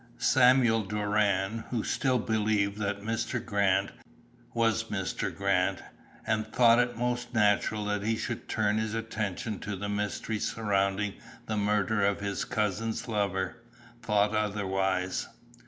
Samuel Doran, who still believed that "Mr. Grant" was Mr. Grant, and thought it most natural that he should turn his attention to the mystery surrounding the murder of "his cousin's lover," thought otherwise.